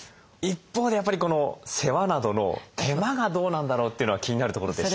一方でやっぱり世話などの手間がどうなんだろうってのは気になるところでして。